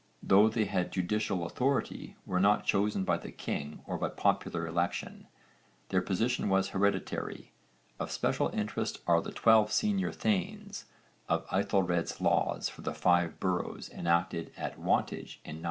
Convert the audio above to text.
103) though they had judicial authority were not chosen by the king or by popular election. Their position was hereditary. Of special interest are the '12 senior thanes' of Aethelred's laws for the Five Boroughs enacted at Wantage in 997.